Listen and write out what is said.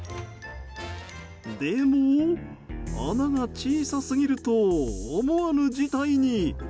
でも、穴が小さすぎると思わぬ事態に。